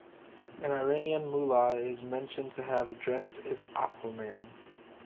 An Iranian mullah is mentioned to have "dressed as Aquaman".